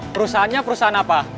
perusahaannya perusahaan apa